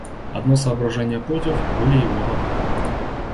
Одно соображение против — были его года.